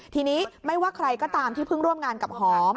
ทีนี้ไม่ว่าใครก็ตามที่เพิ่งร่วมงานกับหอม